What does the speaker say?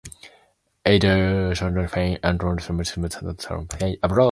Elder, Shaun Fein, Anthony McHenry and Isma'il Muhammad continue to play pro basketball abroad.